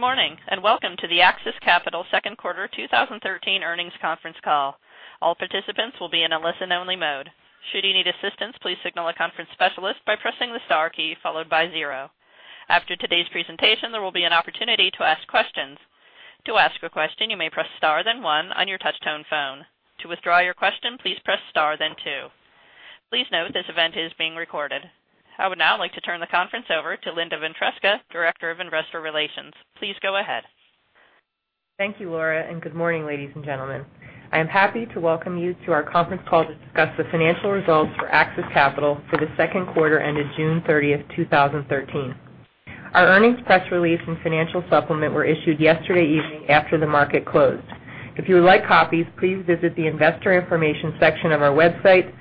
Good morning, welcome to the AXIS Capital second quarter 2013 earnings conference call. All participants will be in a listen-only mode. Should you need assistance, please signal a conference specialist by pressing the star key followed by zero. After today's presentation, there will be an opportunity to ask questions. To ask a question, you may press star then one on your touch tone phone. To withdraw your question, please press star then two. Please note this event is being recorded. I would now like to turn the conference over to Linda Ventresca, Director of Investor Relations. Please go ahead. Thank you, Laura, good morning, ladies and gentlemen. I am happy to welcome you to our conference call to discuss the financial results for AXIS Capital for the second quarter ended June 30th, 2013. Our earnings press release and financial supplement were issued yesterday evening after the market closed. If you would like copies, please visit the investor information section of our website,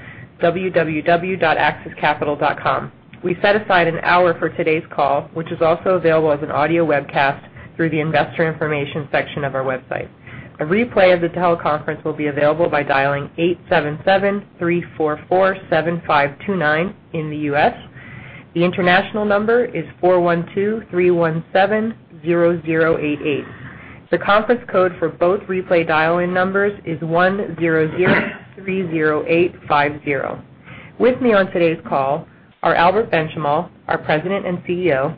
www.axiscapital.com. We set aside an hour for today's call, which is also available as an audio webcast through the investor information section of our website. A replay of this teleconference will be available by dialing 877-344-7529 in the U.S. The international number is 412-317-0088. The conference code for both replay dial-in numbers is 10030850. With me on today's call are Albert Benchimol, our President and CEO,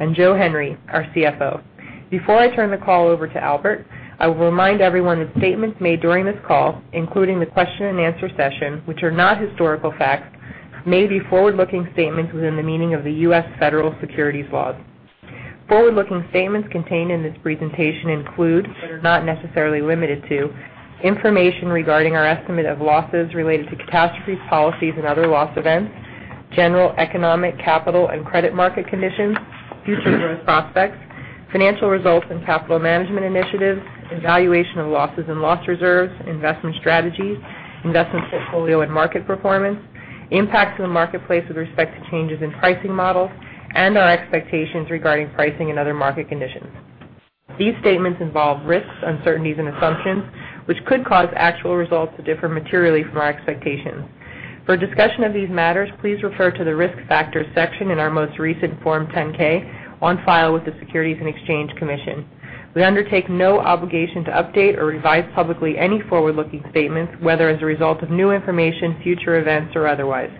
and Joseph Henry, our CFO. Before I turn the call over to Albert, I will remind everyone that statements made during this call, including the question and answer session, which are not historical facts, may be forward-looking statements within the meaning of the U.S. federal securities laws. Forward-looking statements contained in this presentation include, but are not necessarily limited to, information regarding our estimate of losses related to catastrophes, policies, and other loss events, general economic, capital, and credit market conditions, future growth prospects, financial results and capital management initiatives, evaluation of losses and loss reserves, investment strategies, investment portfolio and market performance, impacts to the marketplace with respect to changes in pricing models, and our expectations regarding pricing and other market conditions. These statements involve risks, uncertainties, and assumptions, which could cause actual results to differ materially from our expectations. For a discussion of these matters, please refer to the Risk Factors section in our most recent Form 10-K on file with the Securities and Exchange Commission. We undertake no obligation to update or revise publicly any forward-looking statements, whether as a result of new information, future events, or otherwise.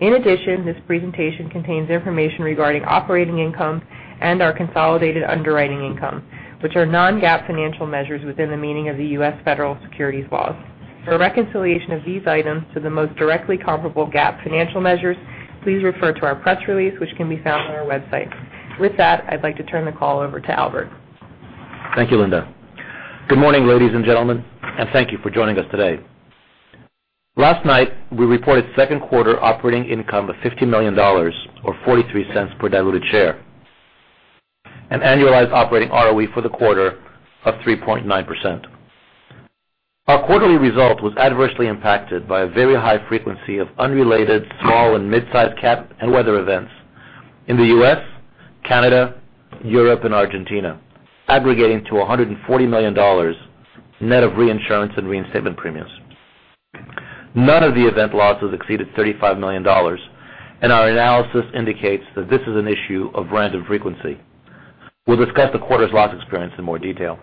In addition, this presentation contains information regarding operating income and our consolidated underwriting income, which are non-GAAP financial measures within the meaning of the U.S. federal securities laws. For a reconciliation of these items to the most directly comparable GAAP financial measures, please refer to our press release, which can be found on our website. With that, I'd like to turn the call over to Albert. Thank you, Linda. Good morning, ladies and gentlemen, and thank you for joining us today. Last night, we reported second quarter operating income of $50 million, or $0.43 per diluted share, and annualized operating ROE for the quarter of 3.9%. Our quarterly result was adversely impacted by a very high frequency of unrelated small and mid-size cat and weather events in the U.S., Canada, Europe, and Argentina, aggregating to $140 million net of reinsurance and reinstatement premiums. None of the event losses exceeded $35 million, and our analysis indicates that this is an issue of random frequency. We will discuss the quarter's loss experience in more detail.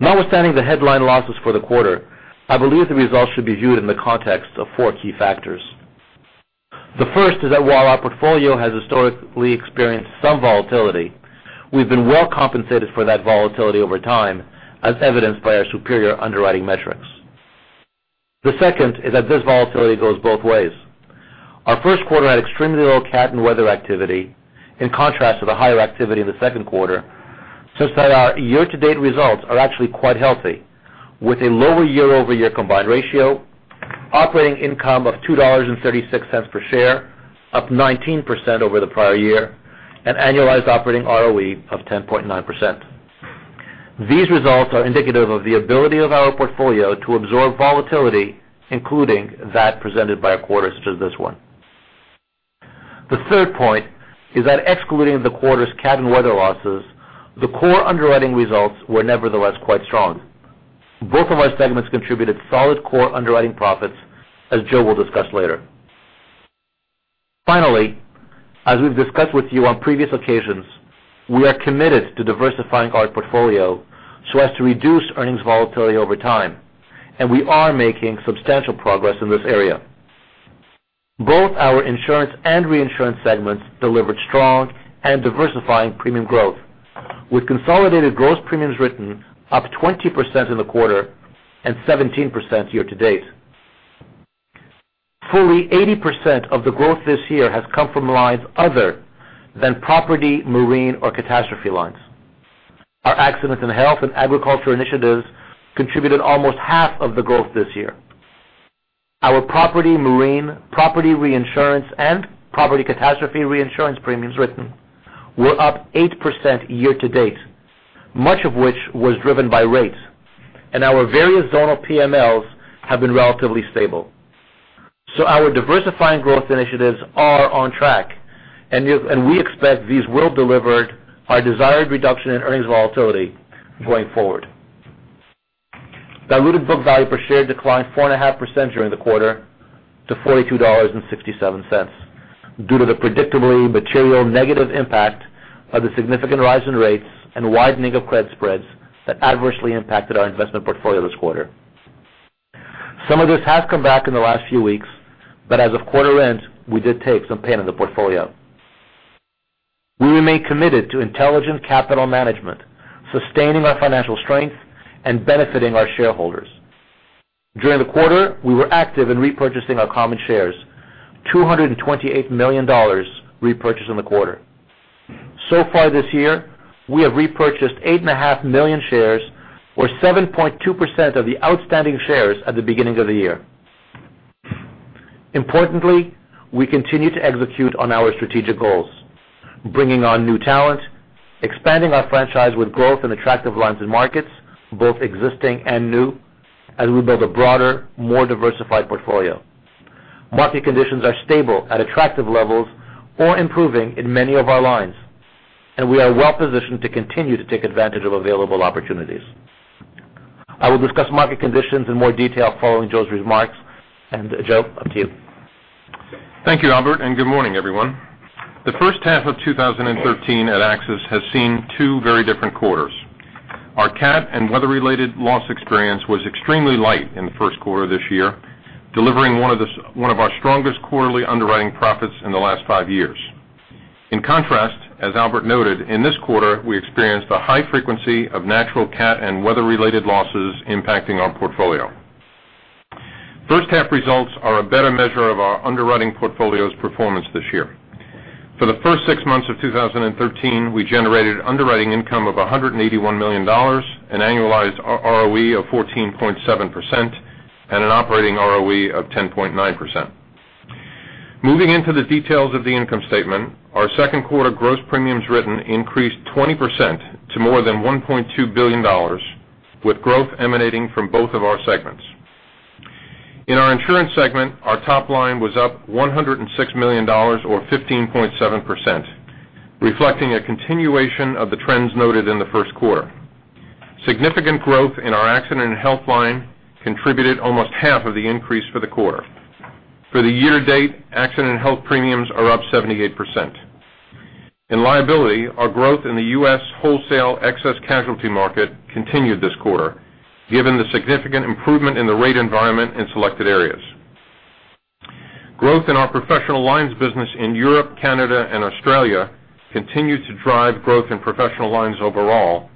Notwithstanding the headline losses for the quarter, I believe the results should be viewed in the context of four key factors. The first is that while our portfolio has historically experienced some volatility, we have been well compensated for that volatility over time, as evidenced by our superior underwriting metrics. The second is that this volatility goes both ways. Our first quarter had extremely low cat and weather activity in contrast to the higher activity in the second quarter, such that our year-to-date results are actually quite healthy, with a lower year-over-year combined ratio, operating income of $2.36 per share, up 19% over the prior year, and annualized operating ROE of 10.9%. These results are indicative of the ability of our portfolio to absorb volatility, including that presented by a quarter such as this one. The third point is that excluding the quarter's cat and weather losses, the core underwriting results were nevertheless quite strong. Both of our segments contributed solid core underwriting profits, as Joe will discuss later. As we have discussed with you on previous occasions, we are committed to diversifying our portfolio so as to reduce earnings volatility over time, and we are making substantial progress in this area. Both our insurance and reinsurance segments delivered strong and diversifying premium growth, with consolidated gross premiums written up 20% in the quarter and 17% year to date. Fully 80% of the growth this year has come from lines other than property, marine, or catastrophe lines. Our accidents in health and agriculture initiatives contributed almost half of the growth this year. Our property, marine, property reinsurance, and property catastrophe reinsurance premiums written were up 8% year to date, much of which was driven by rates, and our various zonal PMLs have been relatively stable. Our diversifying growth initiatives are on track, and we expect these will deliver our desired reduction in earnings volatility going forward. Diluted book value per share declined 4.5% during the quarter to $42.67 due to the predictably material negative impact of the significant rise in rates and widening of credit spreads that adversely impacted our investment portfolio this quarter. Some of this has come back in the last few weeks, but as of quarter end, we did take some pain in the portfolio. We remain committed to intelligent capital management, sustaining our financial strength and benefiting our shareholders. During the quarter, we were active in repurchasing our common shares, $228 million repurchased in the quarter. So far this year, we have repurchased 8.5 million shares, or 7.2% of the outstanding shares at the beginning of the year. Importantly, we continue to execute on our strategic goals, bringing on new talent, expanding our franchise with growth in attractive lines and markets, both existing and new, as we build a broader, more diversified portfolio. Market conditions are stable at attractive levels or improving in many of our lines, and we are well positioned to continue to take advantage of available opportunities. I will discuss market conditions in more detail following Joe's remarks. Joe, up to you. Thank you, Albert, and good morning, everyone. The first half of 2013 at AXIS has seen two very different quarters. Our cat and weather-related loss experience was extremely light in the first quarter of this year, delivering one of our strongest quarterly underwriting profits in the last five years. In contrast, as Albert noted, in this quarter, we experienced a high frequency of natural cat and weather-related losses impacting our portfolio. First half results are a better measure of our underwriting portfolio's performance this year. For the first six months of 2013, we generated underwriting income of $181 million, an annualized ROE of 14.7%, and an operating ROE of 10.9%. Moving into the details of the income statement, our second quarter gross premiums written increased 20% to more than $1.2 billion, with growth emanating from both of our segments. In our insurance segment, our top line was up $106 million or 15.7%, reflecting a continuation of the trends noted in the first quarter. Significant growth in our accident and health line contributed almost half of the increase for the quarter. For the year to date, accident and health premiums are up 78%. In liability, our growth in the U.S. wholesale excess casualty market continued this quarter, given the significant improvement in the rate environment in selected areas. Growth in our professional lines business in Europe, Canada, and Australia continued to drive growth in professional lines overall,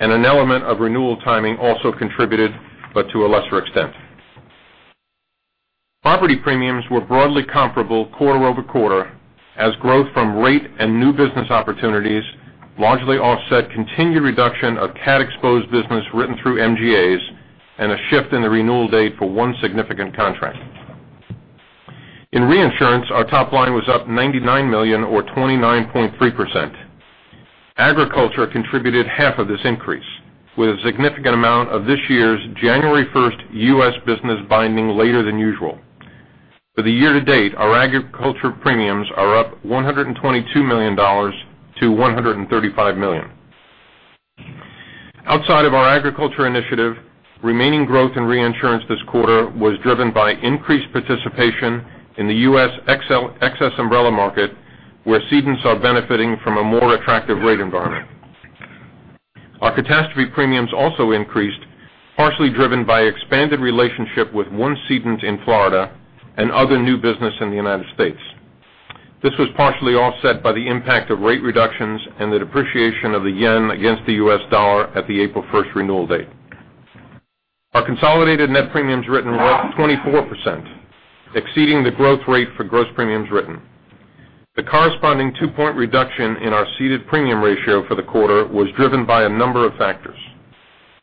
and an element of renewal timing also contributed, but to a lesser extent. Property premiums were broadly comparable quarter-over-quarter as growth from rate and new business opportunities largely offset continued reduction of cat-exposed business written through MGAs and a shift in the renewal date for one significant contract. In reinsurance, our top line was up $99 million or 29.3%. Agriculture contributed half of this increase, with a significant amount of this year's January 1st U.S. business binding later than usual. For the year to date, our agriculture premiums are up $122 million-$135 million. Outside of our agriculture initiative, remaining growth in reinsurance this quarter was driven by increased participation in the U.S. excess umbrella market, where cedents are benefiting from a more attractive rate environment. Our catastrophe premiums also increased, partially driven by expanded relationship with one cedent in Florida and other new business in the United States. This was partially offset by the impact of rate reductions and the depreciation of the JPY against the U.S. dollar at the April 1st renewal date. Our consolidated net premiums written were up 24%, exceeding the growth rate for gross premiums written. The corresponding two point reduction in our ceded premium ratio for the quarter was driven by a number of factors.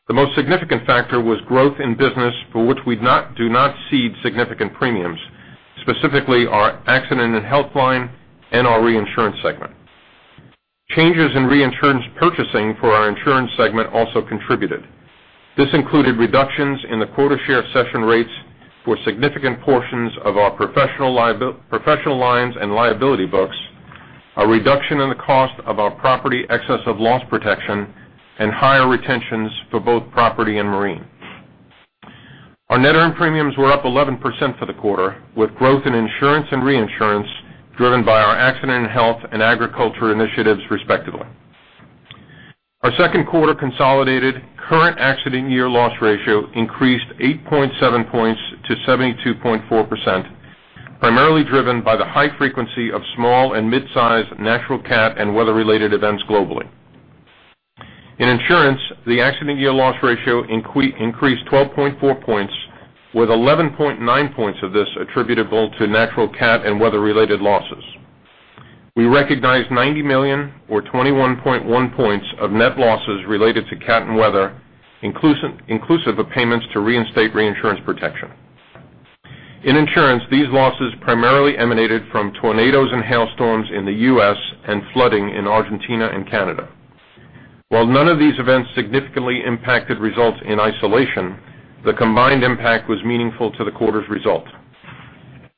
The most significant factor was growth in business for which we do not cede significant premiums, specifically our accident and health line and our reinsurance segment. Changes in reinsurance purchasing for our insurance segment also contributed. This included reductions in the quota share cession rates for significant portions of our professional lines and liability books, a reduction in the cost of our property excess of loss protection, and higher retentions for both property and marine. Our net earned premiums were up 11% for the quarter, with growth in insurance and reinsurance driven by our accident and health and agriculture initiatives, respectively. Our second quarter consolidated current accident year loss ratio increased 8.7 points to 72.4%, primarily driven by the high frequency of small and mid-size natural cat and weather-related events globally. In insurance, the accident year loss ratio increased 12.4 points, with 11.9 points of this attributable to natural cat and weather-related losses. We recognized $90 million or 21.1 points of net losses related to cat and weather, inclusive of payments to reinstate reinsurance protection. In insurance, these losses primarily emanated from tornadoes and hailstorms in the U.S. and flooding in Argentina and Canada. While none of these events significantly impacted results in isolation, the combined impact was meaningful to the quarter's result.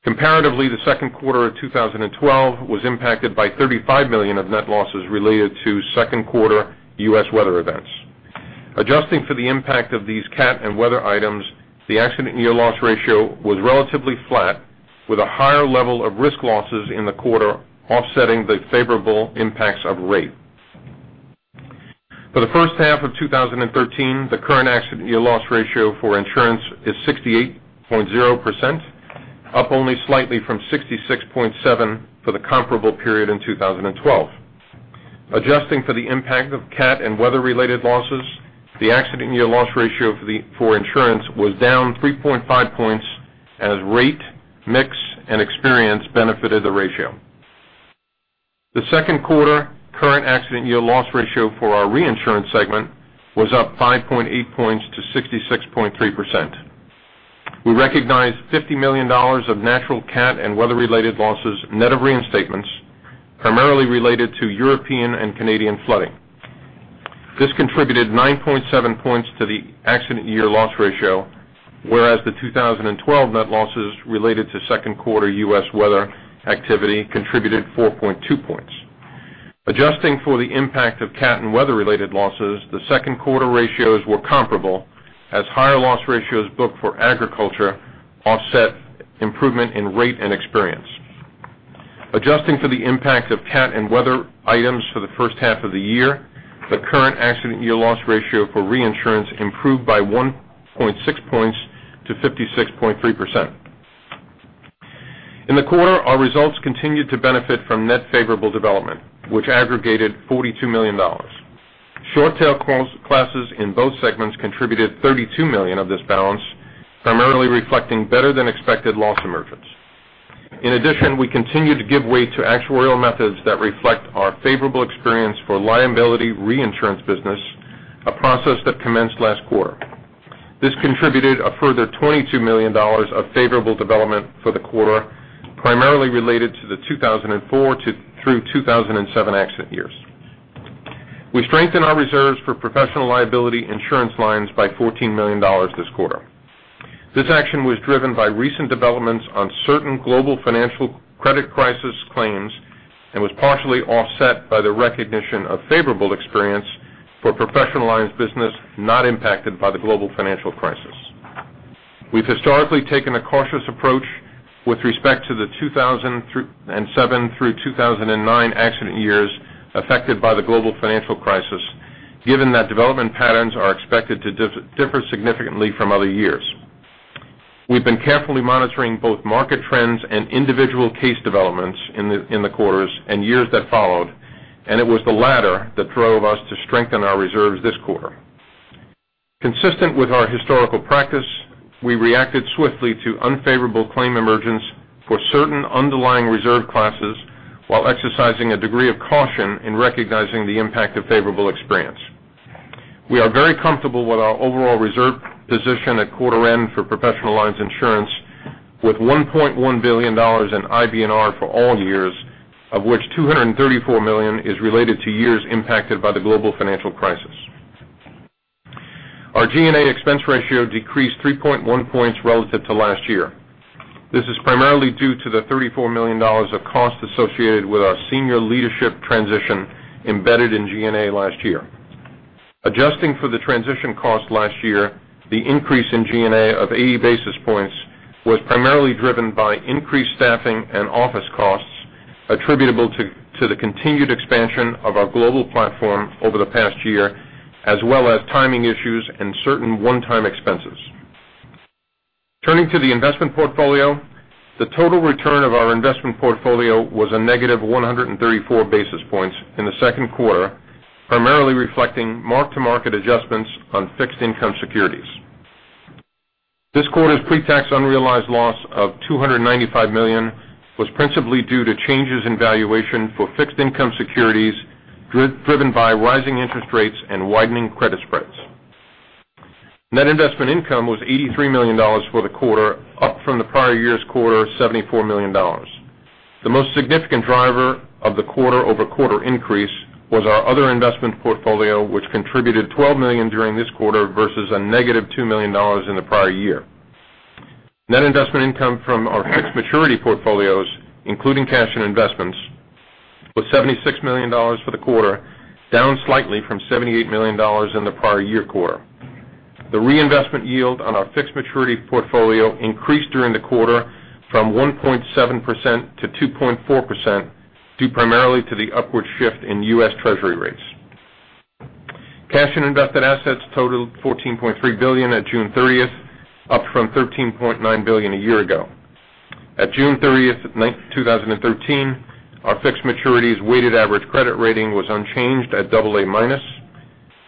Comparatively, the second quarter of 2012 was impacted by $35 million of net losses related to second quarter U.S. weather events. Adjusting for the impact of these cat and weather items, the accident year loss ratio was relatively flat, with a higher level of risk losses in the quarter offsetting the favorable impacts of rate. For the first half of 2013, the current accident year loss ratio for insurance is 68.0%, up only slightly from 66.7% for the comparable period in 2012. Adjusting for the impact of cat and weather related losses, the accident year loss ratio for insurance was down 3.5 points as rate, mix and experience benefited the ratio. The second quarter current accident year loss ratio for our reinsurance segment was up 5.8 points to 66.3%. We recognized $50 million of natural cat and weather related losses net of reinstatements, primarily related to European and Canadian flooding. This contributed 9.7 points to the accident year loss ratio, whereas the 2012 net losses related to second quarter U.S. weather activity contributed 4.2 points. Adjusting for the impact of cat and weather related losses, the second quarter ratios were comparable as higher loss ratios booked for agriculture offset improvement in rate and experience. Adjusting for the impact of cat and weather items for the first half of the year, the current accident year loss ratio for reinsurance improved by 1.6 points to 56.3%. In the quarter, our results continued to benefit from net favorable development, which aggregated $42 million. Short tail classes in both segments contributed $32 million of this balance, primarily reflecting better than expected loss emergence. In addition, we continue to give weight to actuarial methods that reflect our favorable experience for liability reinsurance business, a process that commenced last quarter. This contributed a further $22 million of favorable development for the quarter, primarily related to the 2004 through 2007 accident years. We strengthened our reserves for professional liability insurance lines by $14 million this quarter. This action was driven by recent developments on certain global financial credit crisis claims, and was partially offset by the recognition of favorable experience for professional lines business not impacted by the global financial crisis. We've historically taken a cautious approach with respect to the 2007 through 2009 accident years affected by the global financial crisis, given that development patterns are expected to differ significantly from other years. We've been carefully monitoring both market trends and individual case developments in the quarters and years that followed. It was the latter that drove us to strengthen our reserves this quarter. Consistent with our historical practice, we reacted swiftly to unfavorable claim emergence for certain underlying reserve classes while exercising a degree of caution in recognizing the impact of favorable experience. We are very comfortable with our overall reserve position at quarter end for professional lines insurance with $1.1 billion in IBNR for all years, of which $234 million is related to years impacted by the global financial crisis. Our G&A expense ratio decreased 3.1 points relative to last year. This is primarily due to the $34 million of cost associated with our senior leadership transition embedded in G&A last year. Adjusting for the transition cost last year, the increase in G&A of 80 basis points was primarily driven by increased staffing and office costs attributable to the continued expansion of our global platform over the past year, as well as timing issues and certain one-time expenses. Turning to the investment portfolio. The total return of our investment portfolio was a negative 134 basis points in the second quarter, primarily reflecting mark-to-market adjustments on fixed income securities. This quarter's pretax unrealized loss of $295 million was principally due to changes in valuation for fixed income securities driven by rising interest rates and widening credit spreads. Net investment income was $83 million for the quarter, up from the prior year's quarter $74 million. The most significant driver of the quarter-over-quarter increase was our other investment portfolio, which contributed $12 million during this quarter versus a negative $2 million in the prior year. Net investment income from our fixed maturity portfolios, including cash and investments, was $76 million for the quarter, down slightly from $78 million in the prior year quarter. The reinvestment yield on our fixed maturity portfolio increased during the quarter from 1.7% to 2.4%, due primarily to the upward shift in U.S. Treasury rates. Cash and invested assets totaled $14.3 billion at June 30th, up from $13.9 billion a year ago. At June 30th 2013, our fixed maturities weighted average credit rating was unchanged at double A minus.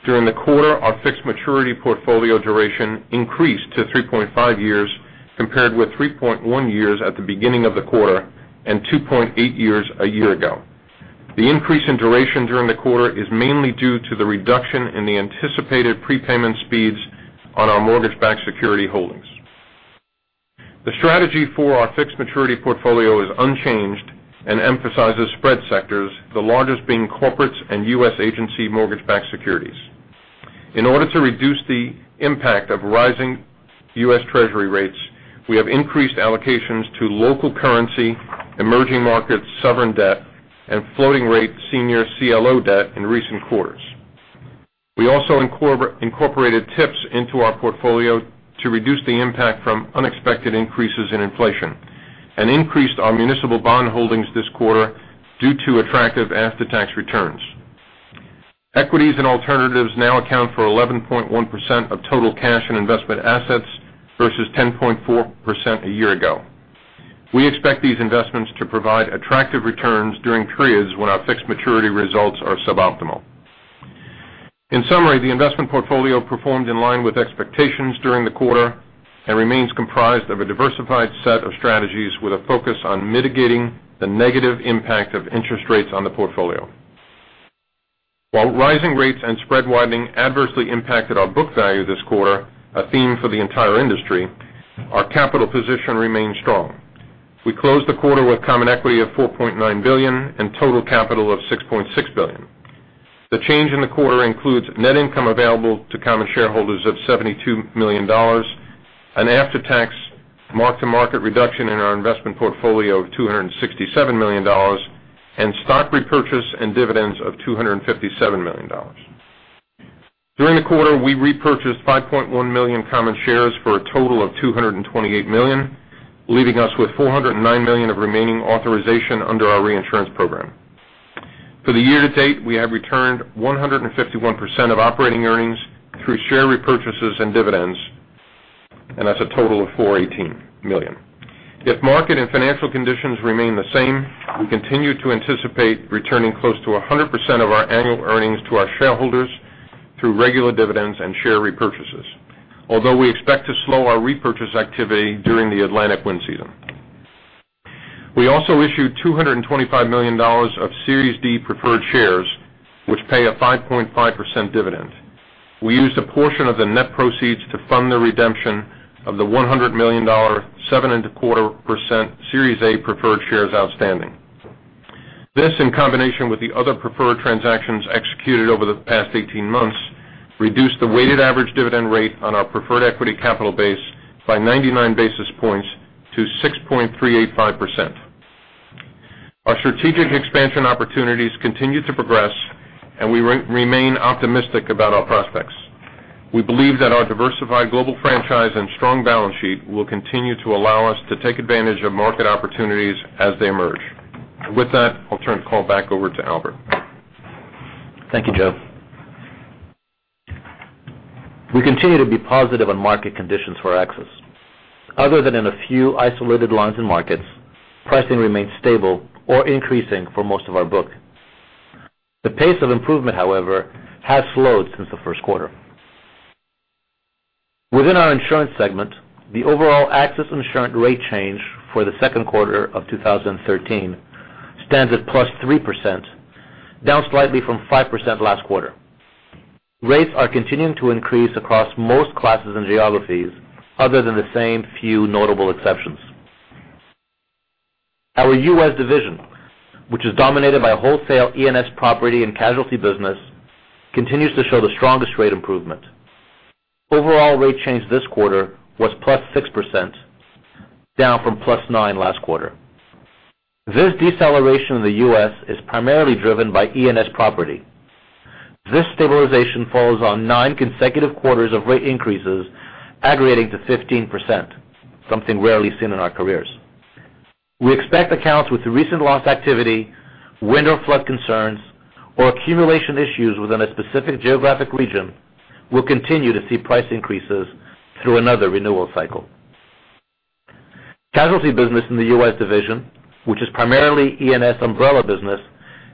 During the quarter, our fixed maturity portfolio duration increased to 3.5 years, compared with 3.1 years at the beginning of the quarter and 2.8 years a year ago. The increase in duration during the quarter is mainly due to the reduction in the anticipated prepayment speeds on our mortgage-backed security holdings. The strategy for our fixed maturity portfolio is unchanged and emphasizes spread sectors, the largest being corporates and U.S. agency mortgage-backed securities. In order to reduce the impact of rising U.S. Treasury rates, we have increased allocations to local currency, emerging markets, sovereign debt, and floating rate senior CLO debt in recent quarters. We also incorporated TIPS into our portfolio to reduce the impact from unexpected increases in inflation and increased our municipal bond holdings this quarter due to attractive after-tax returns. Equities and alternatives now account for 11.1% of total cash and investment assets versus 10.4% a year ago. We expect these investments to provide attractive returns during periods when our fixed maturity results are suboptimal. In summary, the investment portfolio performed in line with expectations during the quarter and remains comprised of a diversified set of strategies with a focus on mitigating the negative impact of interest rates on the portfolio. While rising rates and spread widening adversely impacted our book value this quarter, a theme for the entire industry, our capital position remains strong. We closed the quarter with common equity of $4.9 billion and total capital of $6.6 billion. The change in the quarter includes net income available to common shareholders of $72 million, an after-tax mark-to-market reduction in our investment portfolio of $267 million, and stock repurchase and dividends of $257 million. During the quarter, we repurchased 5.1 million common shares for a total of $228 million, leaving us with $409 million of remaining authorization under our reinsurance program. For the year to date, we have returned 151% of operating earnings through share repurchases and dividends, and that's a total of $418 million. If market and financial conditions remain the same, we continue to anticipate returning close to 100% of our annual earnings to our shareholders through regular dividends and share repurchases. Although we expect to slow our repurchase activity during the Atlantic wind season. We also issued $225 million of Series D preferred shares, which pay a 5.5% dividend. We used a portion of the net proceeds to fund the redemption of the $100 million 7.25% Series A preferred shares outstanding. This, in combination with the other preferred transactions executed over the past 18 months, reduced the weighted average dividend rate on our preferred equity capital base by 99 basis points to 6.385%. Our strategic expansion opportunities continue to progress and we remain optimistic about our prospects. We believe that our diversified global franchise and strong balance sheet will continue to allow us to take advantage of market opportunities as they emerge. With that, I'll turn the call back over to Albert. Thank you, Joe Henry. We continue to be positive on market conditions for AXIS. Other than in a few isolated lines and markets, pricing remains stable or increasing for most of our book. The pace of improvement, however, has slowed since the first quarter. Within our insurance segment, the overall AXIS insurance rate change for the second quarter of 2013 stands at +3%, down slightly from 5% last quarter. Rates are continuing to increase across most classes and geographies other than the same few notable exceptions. Our U.S. division, which is dominated by wholesale E&S property and casualty business, continues to show the strongest rate improvement. Overall rate change this quarter was +6%, down from +9% last quarter. This deceleration in the U.S. is primarily driven by E&S property. This stabilization follows on nine consecutive quarters of rate increases aggregating to 15%, something rarely seen in our careers. We expect accounts with recent loss activity, wind or flood concerns, or accumulation issues within a specific geographic region will continue to see price increases through another renewal cycle. Casualty business in the U.S. division, which is primarily E&S umbrella business,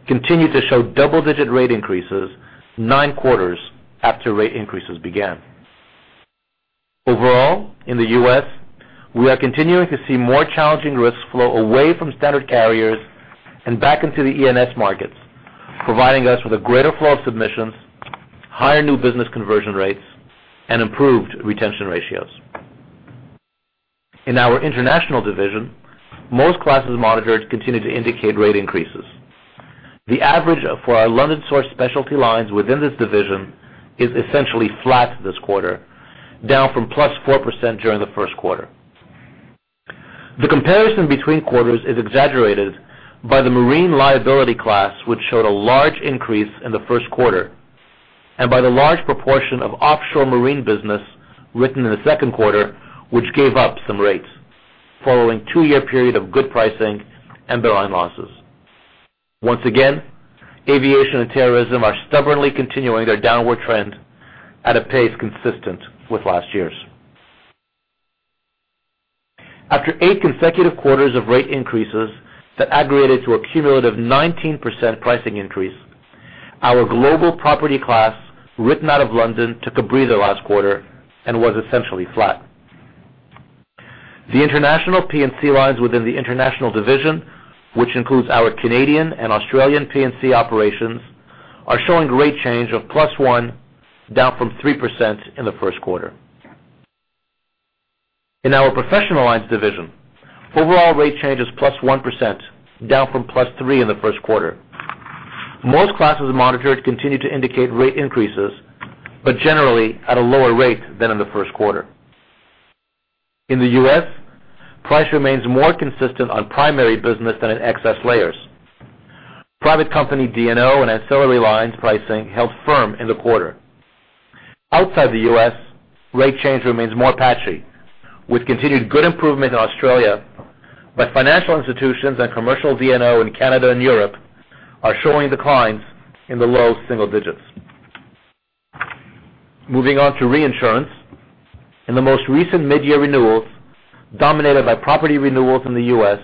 continued to show double-digit rate increases nine quarters after rate increases began. Overall, in the U.S., we are continuing to see more challenging risks flow away from standard carriers and back into the E&S markets, providing us with a greater flow of submissions, higher new business conversion rates, and improved retention ratios. In our international division, most classes monitored continue to indicate rate increases. The average for our London-sourced specialty lines within this division is essentially flat this quarter, down from +4% during the first quarter. The comparison between quarters is exaggerated by the marine liability class, which showed a large increase in the first quarter, and by the large proportion of offshore marine business written in the second quarter, which gave up some rates following a two-year period of good pricing and benign losses. Once again, aviation and terrorism are stubbornly continuing their downward trend at a pace consistent with last year's. After eight consecutive quarters of rate increases that aggregated to a cumulative 19% pricing increase, our global property class written out of London took a breather last quarter and was essentially flat. The international P&C lines within the international division, which includes our Canadian and Australian P&C operations, are showing rate change of +1%, down from 3% in the first quarter. In our professional lines division, overall rate change is +1%, down from +3% in the first quarter. Most classes monitored continued to indicate rate increases, but generally at a lower rate than in the first quarter. In the U.S., price remains more consistent on primary business than in excess layers. Private company D&O and ancillary lines pricing held firm in the quarter. Outside the U.S., rate change remains more patchy, with continued good improvement in Australia, but financial institutions and commercial D&O in Canada and Europe are showing declines in the low single digits. Moving on to reinsurance. In the most recent mid-year renewals, dominated by property renewals in the U.S.,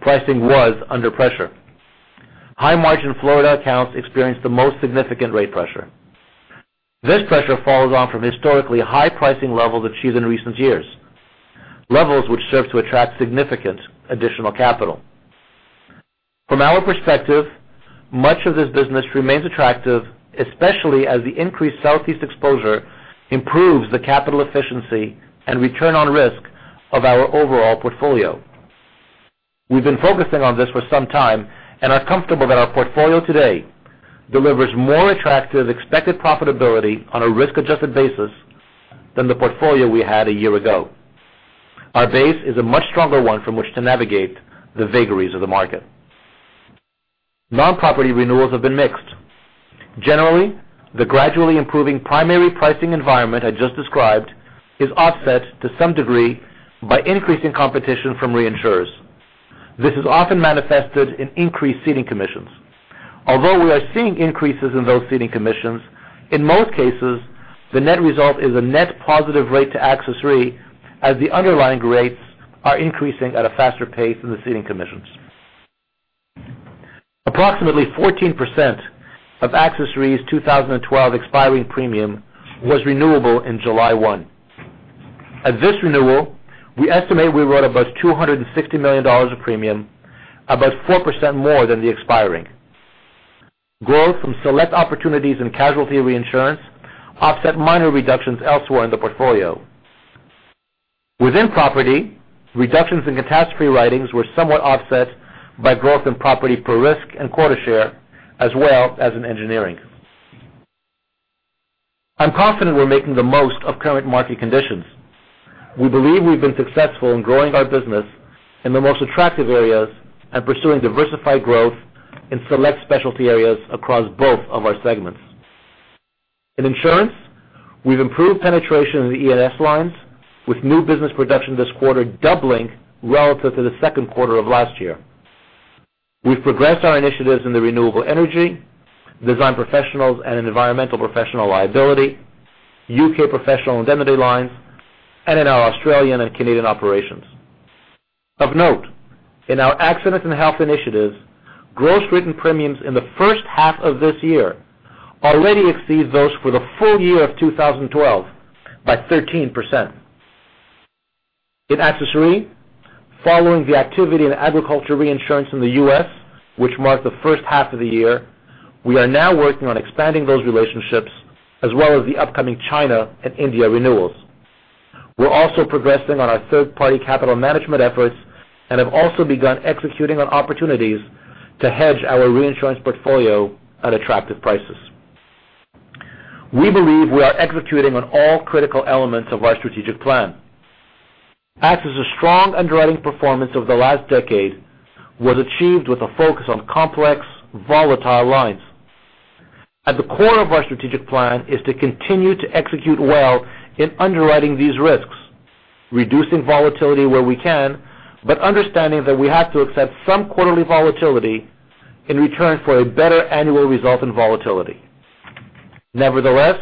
pricing was under pressure. High-margin Florida accounts experienced the most significant rate pressure. This pressure follows on from historically high pricing levels achieved in recent years, levels which served to attract significant additional capital. From our perspective, much of this business remains attractive, especially as the increased Southeast exposure improves the capital efficiency and return on risk of our overall portfolio. We've been focusing on this for some time and are comfortable that our portfolio today delivers more attractive expected profitability on a risk-adjusted basis than the portfolio we had a year ago. Our base is a much stronger one from which to navigate the vagaries of the market. Non-property renewals have been mixed. Generally, the gradually improving primary pricing environment I just described is offset to some degree by increasing competition from reinsurers. This is often manifested in increased ceding commissions. Although we are seeing increases in those ceding commissions, in most cases, the net result is a net positive rate to AXIS Re, as the underlying rates are increasing at a faster pace than the ceding commissions. Approximately 14% of AXIS Re's 2012 expiring premium was renewable in July one. At this renewal, we estimate we wrote about $260 million of premium, about 4% more than the expiring. Growth from select opportunities in casualty reinsurance offset minor reductions elsewhere in the portfolio. Within property, reductions in catastrophe writings were somewhat offset by growth in property per risk and quota share, as well as in engineering. I'm confident we're making the most of current market conditions. We believe we've been successful in growing our business in the most attractive areas and pursuing diversified growth in select specialty areas across both of our segments. In insurance, we've improved penetration in the E&S lines, with new business production this quarter doubling relative to the second quarter of last year. We've progressed our initiatives in the renewable energy, design professionals and environmental professional liability, U.K. professional indemnity lines, and in our Australian and Canadian operations. Of note, in our accident and health initiatives, gross written premiums in the first half of this year already exceed those for the full year of 2012 by 13%. In AXIS Re, following the activity in agriculture reinsurance in the U.S., which marked the first half of the year, we are now working on expanding those relationships as well as the upcoming China and India renewals. We're also progressing on our third-party capital management efforts and have also begun executing on opportunities to hedge our reinsurance portfolio at attractive prices. We believe we are executing on all critical elements of our strategic plan. AXIS's strong underwriting performance over the last decade was achieved with a focus on complex, volatile lines. At the core of our strategic plan is to continue to execute well in underwriting these risks, reducing volatility where we can, but understanding that we have to accept some quarterly volatility in return for a better annual result in volatility. Nevertheless,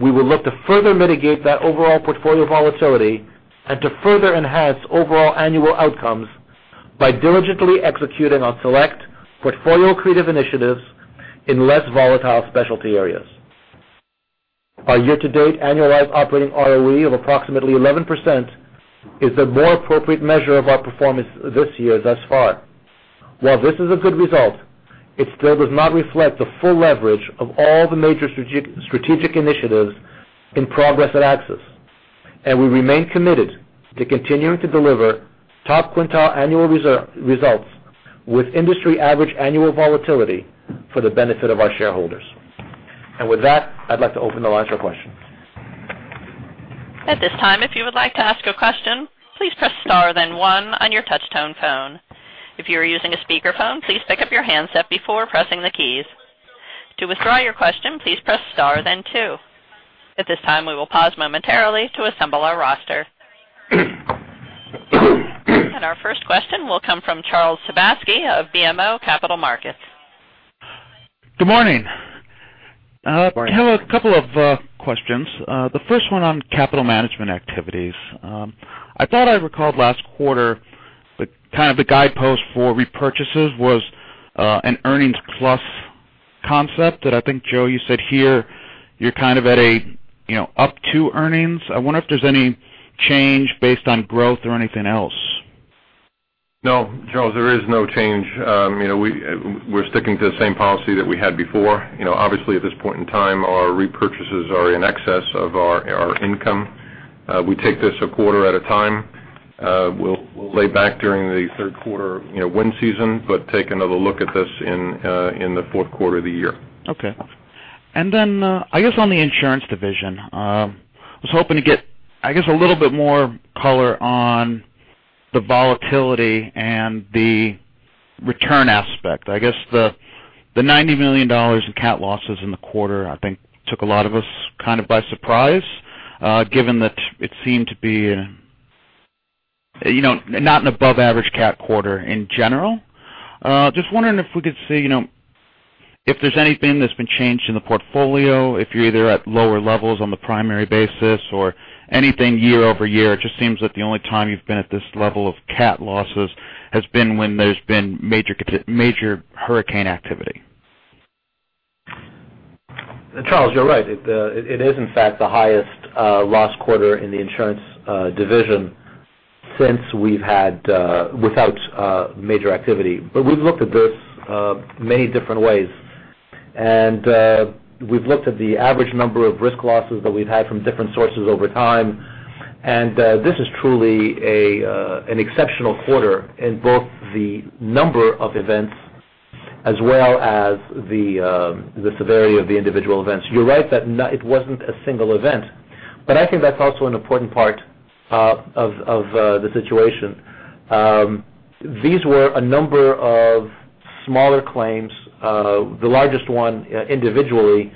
we will look to further mitigate that overall portfolio volatility and to further enhance overall annual outcomes by diligently executing on select portfolio-creative initiatives in less volatile specialty areas. Our year-to-date annualized operating ROE of approximately 11% is a more appropriate measure of our performance this year thus far. While this is a good result, it still does not reflect the full leverage of all the major strategic initiatives in progress at AXIS, and we remain committed to continuing to deliver top quintile annual results with industry average annual volatility for the benefit of our shareholders. With that, I'd like to open the line for questions. At this time, if you would like to ask a question, please press star then one on your touch tone phone. If you are using a speakerphone, please pick up your handset before pressing the keys. To withdraw your question, please press star then two. At this time, we will pause momentarily to assemble our roster. Our first question will come from Charles Sebaski of BMO Capital Markets. Good morning. Morning. I have a couple of questions. The first one on capital management activities. I thought I recalled last quarter kind of the guidepost for repurchases was an earnings plus concept that I think, Joe, you said here you're kind of at a up to earnings. I wonder if there's any change based on growth or anything else? No, Charles, there is no change. We're sticking to the same policy that we had before. Obviously, at this point in time, our repurchases are in excess of our income. We take this a quarter at a time. We'll lay back during the third quarter wind season, take another look at this in the fourth quarter of the year. Okay. Then I guess on the insurance division, I was hoping to get a little bit more color on the volatility and the return aspect. I guess the $90 million in cat losses in the quarter, I think, took a lot of us kind of by surprise, given that it seemed to be not an above-average cat quarter in general. Just wondering if we could see if there's anything that's been changed in the portfolio, if you're either at lower levels on the primary basis or anything year-over-year. It just seems that the only time you've been at this level of cat losses has been when there's been major hurricane activity. Charles, you're right. It is, in fact, the highest loss quarter in the insurance division since we've had without major activity. We've looked at this many different ways, and we've looked at the average number of risk losses that we've had from different sources over time. This is truly an exceptional quarter in both the number of events as well as the severity of the individual events. You're right that it wasn't a single event, I think that's also an important part of the situation. These were a number of smaller claims, the largest one individually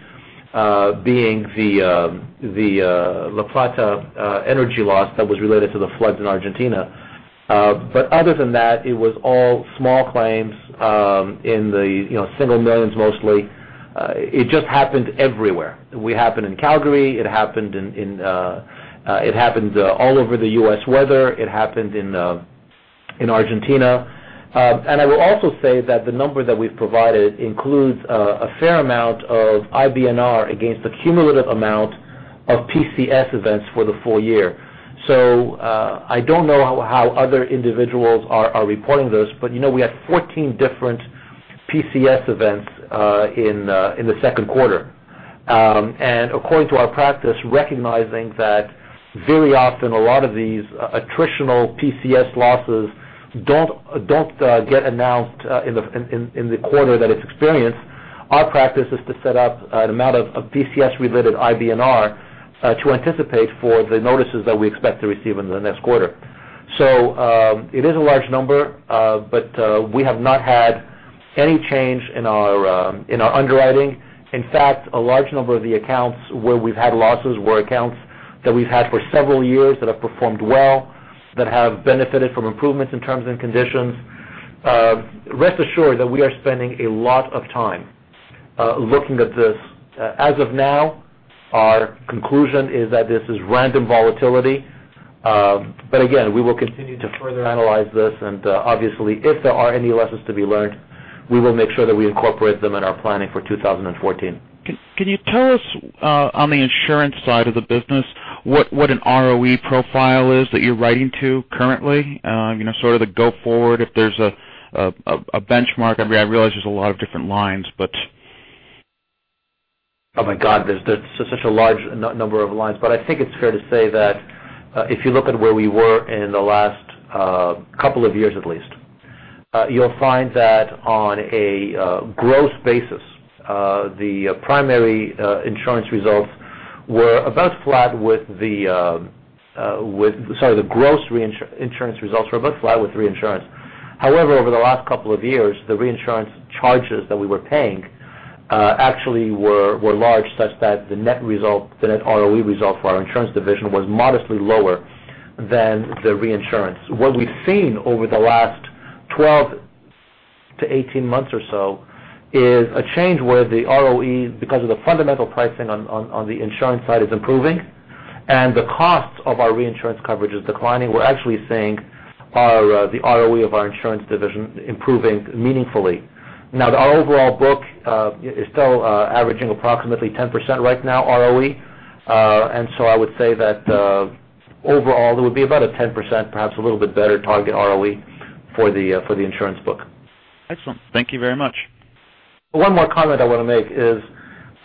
being the La Plata energy loss that was related to the floods in Argentina. Other than that, it was all small claims in the single millions mostly. It just happened everywhere. It happened in Calgary. It happened all over the U.S. weather. It happened in Argentina. I will also say that the number that we've provided includes a fair amount of IBNR against the cumulative amount of PCS events for the full year. I don't know how other individuals are reporting this, we had 14 different PCS events in the second quarter. According to our practice, recognizing that very often a lot of these attritional PCS losses don't get announced in the quarter that it's experienced. Our practice is to set up an amount of PCS-related IBNR to anticipate for the notices that we expect to receive in the next quarter. It is a large number, we have not had any change in our underwriting. In fact, a large number of the accounts where we've had losses were accounts that we've had for several years that have performed well, that have benefited from improvements in terms and conditions. Rest assured that we are spending a lot of time looking at this. As of now, our conclusion is that this is random volatility. Again, we will continue to further analyze this. Obviously, if there are any lessons to be learned, we will make sure that we incorporate them in our planning for 2014. Can you tell us on the insurance side of the business, what an ROE profile is that you're writing to currently? Sort of the go forward, if there's a benchmark. I realize there's a lot of different lines. Oh my God, I think it's fair to say that if you look at where we were in the last couple of years at least, you'll find that on a gross basis, the gross reinsurance results were about flat with reinsurance. However, over the last couple of years, the reinsurance charges that we were paying actually were large such that the net result, the net ROE result for our insurance division was modestly lower than the reinsurance. What we've seen over the last 12 to 18 months or so is a change where the ROE, because of the fundamental pricing on the insurance side is improving and the cost of our reinsurance coverage is declining. We're actually seeing the ROE of our insurance division improving meaningfully. Now, our overall book is still averaging approximately 10% right now ROE. I would say that overall it would be about a 10%, perhaps a little bit better target ROE for the insurance book. Excellent. Thank you very much. One more comment I want to make is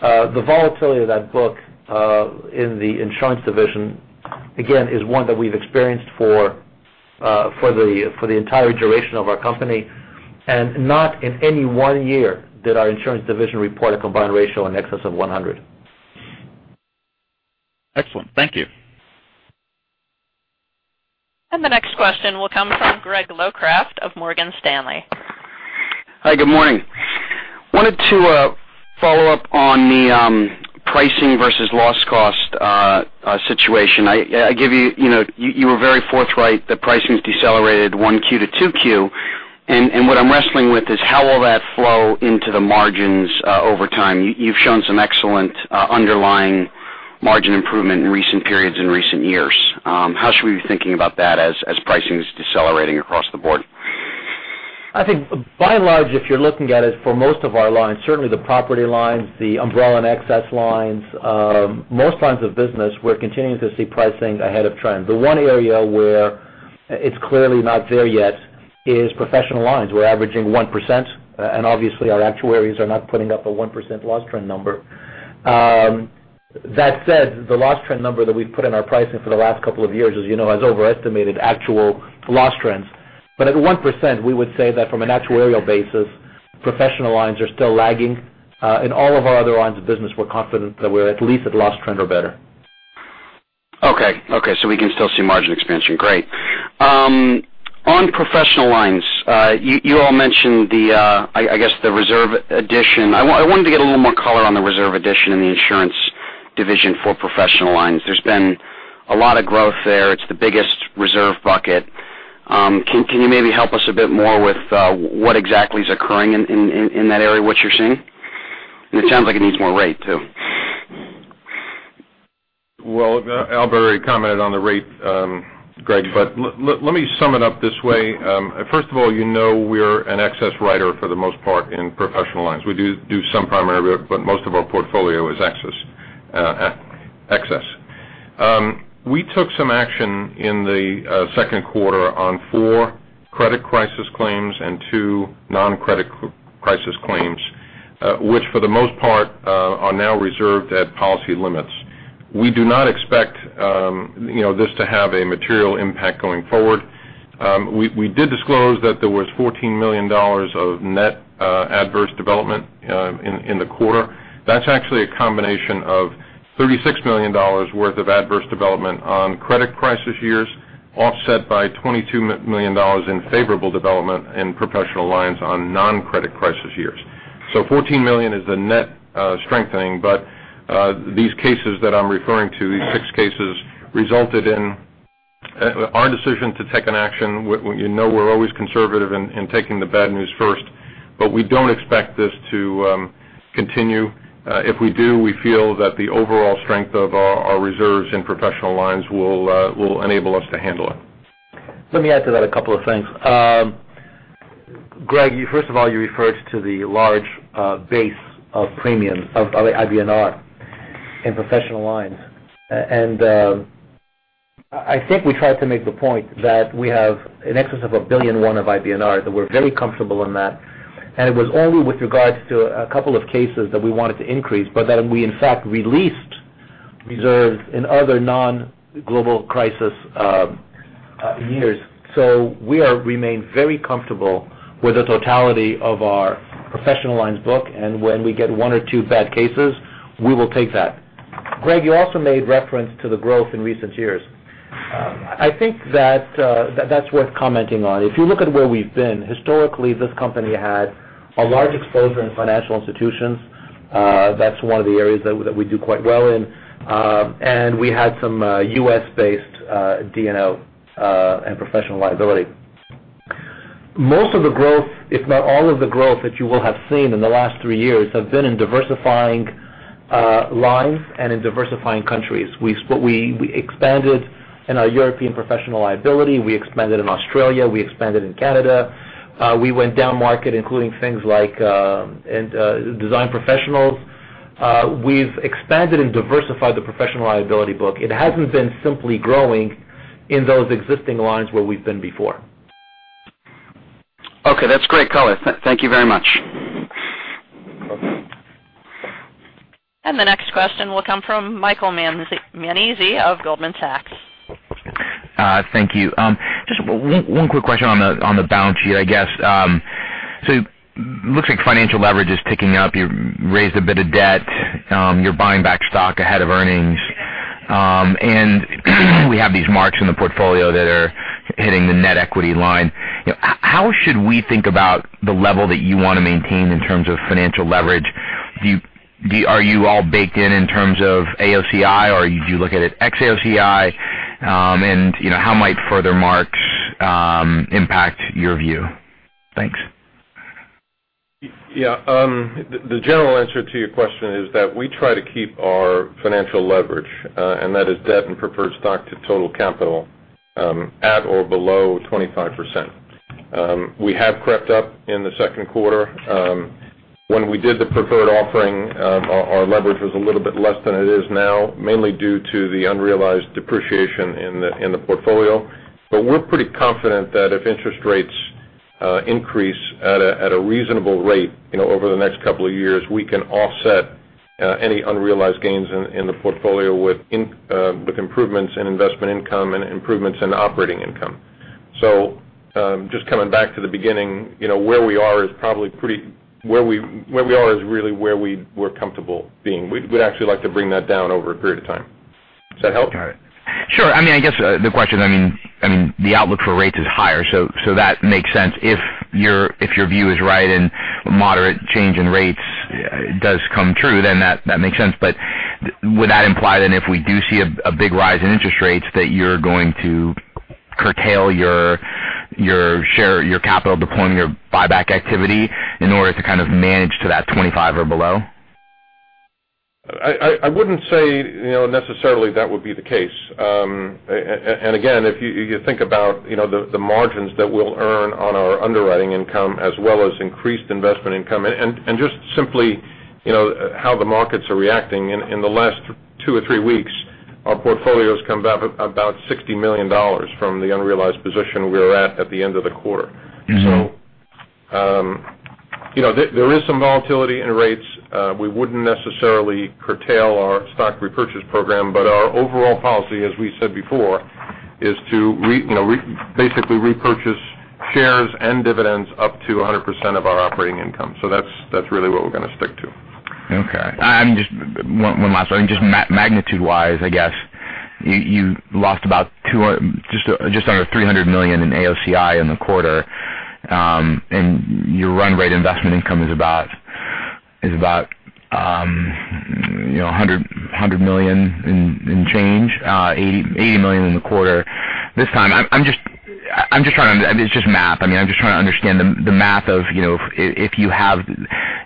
the volatility of that book in the insurance division, again, is one that we've experienced for the entire duration of our company, not in any one year did our insurance division report a combined ratio in excess of 100. Excellent. Thank you. The next question will come from Greg Locraft of Morgan Stanley. Hi, good morning. Wanted to follow up on the pricing versus loss cost situation. You were very forthright that pricing's decelerated 1Q to 2Q. What I'm wrestling with is how will that flow into the margins over time? You've shown some excellent underlying margin improvement in recent periods in recent years. How should we be thinking about that as pricing is decelerating across the board? I think by and large, if you're looking at it for most of our lines, certainly the property lines, the umbrella and excess lines, most lines of business, we're continuing to see pricing ahead of trend. The one area where it's clearly not there yet is professional lines. We're averaging 1%, and obviously our actuaries are not putting up a 1% loss trend number. That said, the loss trend number that we've put in our pricing for the last couple of years, as you know, has overestimated actual loss trends. But at 1%, we would say that from an actuarial basis, professional lines are still lagging. In all of our other lines of business, we're confident that we're at least at loss trend or better. Okay. We can still see margin expansion. Great. On professional lines, you all mentioned the reserve addition. I wanted to get a little more color on the reserve addition in the insurance division for professional lines. There's been a lot of growth there. It's the biggest reserve bucket. Can you maybe help us a bit more with what exactly is occurring in that area, what you're seeing? It sounds like it needs more rate, too. Al already commented on the rate, Greg, but let me sum it up this way. First of all, you know we're an excess writer for the most part in professional lines. We do some primary, but most of our portfolio is excess. We took some action in the second quarter on four credit crisis claims and two non-credit crisis claims, which for the most part are now reserved at policy limits. We do not expect this to have a material impact going forward. We did disclose that there was $14 million of net adverse development in the quarter. That's actually a combination of $36 million worth of adverse development on credit crisis years, offset by $22 million in favorable development in professional lines on non-credit crisis years. $14 million is the net strengthening, but these cases that I'm referring to, these six cases, resulted in our decision to take an action. You know we're always conservative in taking the bad news first, but we don't expect this to continue. If we do, we feel that the overall strength of our reserves in professional lines will enable us to handle it. Let me add to that a couple of things. Greg, first of all, you referred to the large base of IBNR in professional lines. I think we tried to make the point that we have in excess of $1,000,000,001 of IBNR, that we're very comfortable in that. It was only with regards to a couple of cases that we wanted to increase, but that we in fact released reserves in other non-global crisis years. We remain very comfortable with the totality of our professional lines book, and when we get one or two bad cases, we will take that. Greg, you also made reference to the growth in recent years. I think that's worth commenting on. If you look at where we've been, historically, this company had a large exposure in financial institutions. That's one of the areas that we do quite well in. We had some U.S.-based D&O and professional liability. Most of the growth, if not all of the growth that you will have seen in the last three years, have been in diversifying lines and in diversifying countries. We expanded in our European professional liability. We expanded in Australia. We expanded in Canada. We went down market, including things like design professionals. We've expanded and diversified the professional liability book. It hasn't been simply growing in those existing lines where we've been before. Okay, that's great color. Thank you very much. The next question will come from Michael Nannizzi of Goldman Sachs. Thank you. Just one quick question on the balance sheet, I guess. It looks like financial leverage is ticking up. You've raised a bit of debt. You're buying back stock ahead of earnings. We have these marks in the portfolio that are hitting the net equity line. How should we think about the level that you want to maintain in terms of financial leverage? Are you all baked in in terms of AOCI, or do you look at it ex AOCI? How might further marks impact your view? Thanks. Yeah. The general answer to your question is that we try to keep our financial leverage, and that is debt and preferred stock to total capital, at or below 25%. We have crept up in the second quarter. When we did the preferred offering, our leverage was a little bit less than it is now, mainly due to the unrealized depreciation in the portfolio. We're pretty confident that if interest rates increase at a reasonable rate over the next couple of years, we can offset any unrealized gains in the portfolio with improvements in investment income and improvements in operating income. Just coming back to the beginning, where we are is really where we're comfortable being. We'd actually like to bring that down over a period of time. Does that help? Got it. Sure. I guess the question, the outlook for rates is higher, that makes sense. If your view is right and moderate change in rates does come true, that makes sense. Would that imply if we do see a big rise in interest rates, that you're going to curtail your capital deployment or buyback activity in order to kind of manage to that 25 or below? I wouldn't say necessarily that would be the case. Again, if you think about the margins that we'll earn on our underwriting income as well as increased investment income, and just simply how the markets are reacting. In the last two or three weeks, our portfolio's come back about $60 million from the unrealized position we were at at the end of the quarter. There is some volatility in rates. We wouldn't necessarily curtail our stock repurchase program, but our overall policy, as we said before, is to basically repurchase shares and dividends up to 100% of our operating income. That's really what we're going to stick to. Okay. One last thing. Just magnitude-wise, I guess, you lost about just under $300 million in AOCI in the quarter. Your run rate investment income is about $100 million and change, $80 million in the quarter this time. It's just math. I'm just trying to understand the math of if you have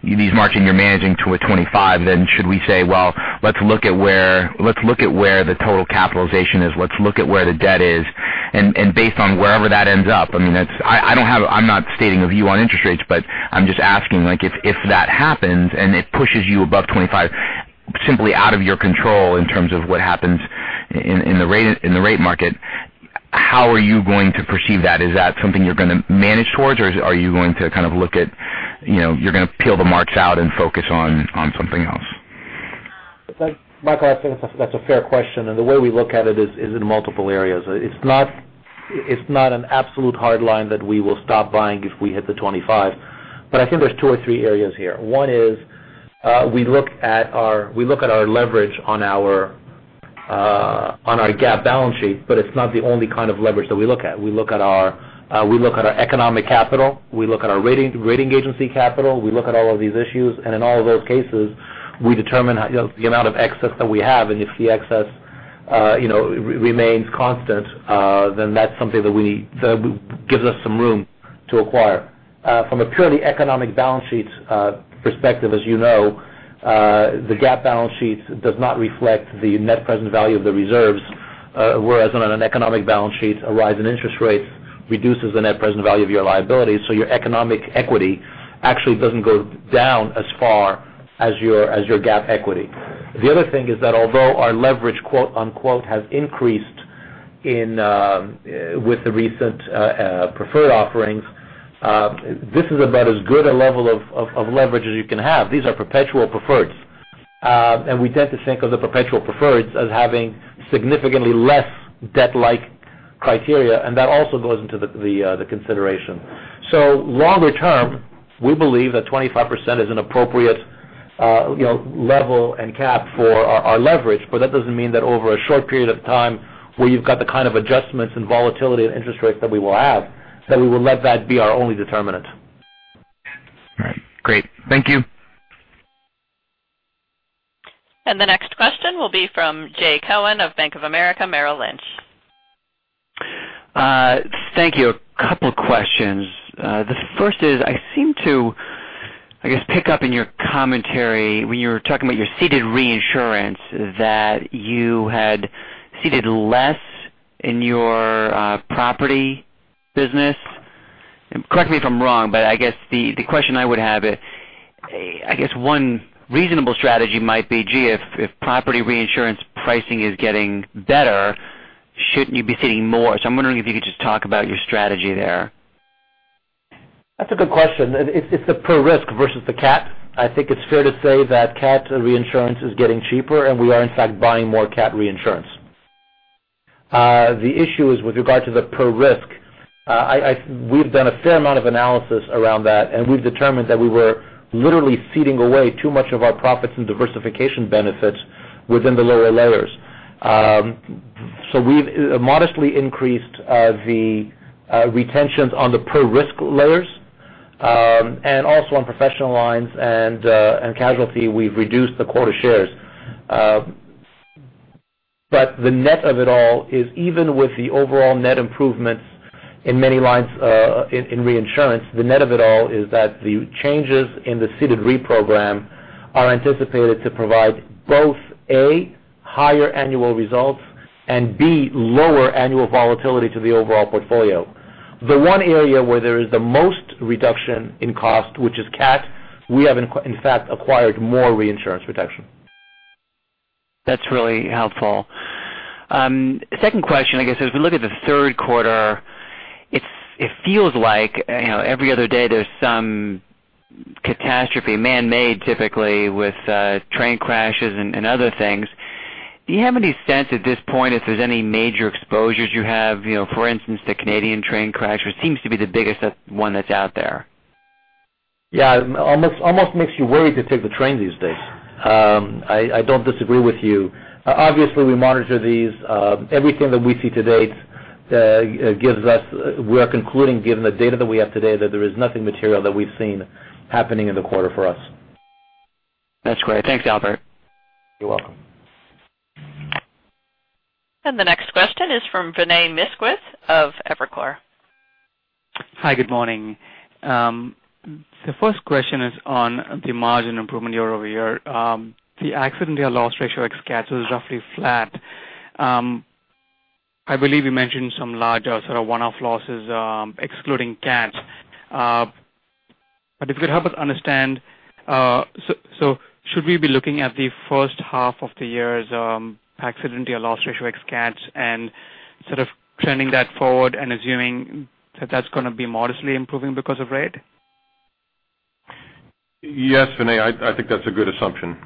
these margins you're managing to a 25, should we say, "Well, let's look at where the total capitalization is. Let's look at where the debt is." Based on wherever that ends up, I'm not stating a view on interest rates, but I'm just asking if that happens and it pushes you above 25 simply out of your control in terms of what happens in the rate market, how are you going to perceive that? Is that something you're going to manage towards, or are you going to kind of look at, you're going to peel the marks out and focus on something else? Michael, I think that's a fair question. The way we look at it is in multiple areas. It's not an absolute hard line that we will stop buying if we hit the 25. I think there's two or three areas here. One is we look at our leverage on our GAAP balance sheet. It's not the only kind of leverage that we look at. We look at our economic capital. We look at our rating agency capital. We look at all of these issues. In all of those cases, we determine the amount of excess that we have. If the excess remains constant, that's something that gives us some room to acquire. From a purely economic balance sheet perspective, as you know, the GAAP balance sheet does not reflect the net present value of the reserves, whereas on an economic balance sheet, a rise in interest rates reduces the net present value of your liability, so your economic equity actually doesn't go down as far as your GAAP equity. The other thing is that although our leverage, quote-unquote, "has increased" with the recent preferred offerings, this is about as good a level of leverage as you can have. These are perpetual preferreds. We tend to think of the perpetual preferreds as having significantly less debt-like criteria, and that also goes into the consideration. Longer term, we believe that 25% is an appropriate level and cap for our leverage, but that doesn't mean that over a short period of time, where you've got the kind of adjustments and volatility in interest rates that we will have, that we will let that be our only determinant. All right. Great. Thank you. The next question will be from Jay Cohen of Bank of America Merrill Lynch. Thank you. A couple questions. The first is, I seem to, I guess, pick up in your commentary when you were talking about your ceded reinsurance, that you had ceded less in your property business. Correct me if I'm wrong, I guess the question I would have, I guess one reasonable strategy might be, gee, if property reinsurance pricing is getting better, shouldn't you be ceding more? I'm wondering if you could just talk about your strategy there. That's a good question. It's the per risk versus the cat. I think it's fair to say that cat reinsurance is getting cheaper, we are in fact buying more cat reinsurance. The issue is with regard to the per risk. We've done a fair amount of analysis around that, we've determined that we were literally ceding away too much of our profits and diversification benefits within the lower layers. We've modestly increased the retentions on the per risk layers, also on professional lines and casualty, we've reduced the quota shares. The net of it all is even with the overall net improvements in many lines in reinsurance, the net of it all is that the changes in the ceded reprogram are anticipated to provide both, A, higher annual results, and B, lower annual volatility to the overall portfolio. The one area where there is the most reduction in cost, which is cat, we have in fact acquired more reinsurance reduction. That's really helpful. Second question, I guess, as we look at the third quarter, it feels like every other day there's some catastrophe, man-made typically with train crashes and other things. Do you have any sense at this point if there's any major exposures you have, for instance, the Canadian train crash, which seems to be the biggest one that's out there? Yeah. Almost makes you worried to take the train these days. I don't disagree with you. Obviously, we monitor these. Everything that we see to date gives us, we are concluding given the data that we have today, that there is nothing material that we've seen happening in the quarter for us. That's great. Thanks, Albert. You're welcome. The next question is from Vinay Misquith of Evercore. Hi, good morning. The first question is on the margin improvement year-over-year. The accident year loss ratio ex CAT was roughly flat. I believe you mentioned some larger sort of one-off losses, excluding CATs. If you could help us understand, should we be looking at the first half of the year's accident year loss ratio ex CAT and sort of trending that forward and assuming that that's going to be modestly improving because of rate? Yes, Vinay, I think that's a good assumption.